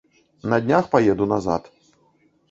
На днях паеду назад.